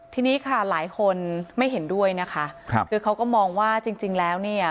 ทีนี้ค่ะหลายคนไม่เห็นด้วยนะคะครับคือเขาก็มองว่าจริงจริงแล้วเนี่ย